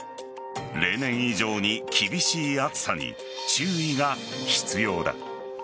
例年以上に厳しい暑さに注意が必要だ。